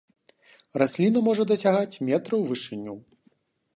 Расліна можа дасягаць метра ў вышыню.